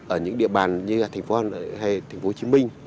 ở những địa bàn như thành phố hà nội hay thành phố hồ chí minh